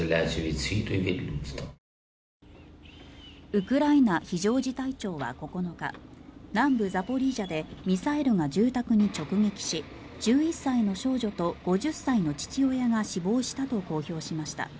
ウクライナ非常事態庁は９日南部ザポリージャでミサイルが住宅に直撃し１１歳の少女と５０歳の父親が死亡したと公表しました。